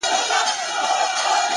له دغي لويي وچي وځم _